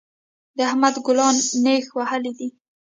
د احمد ګلانو نېښ وهلی دی.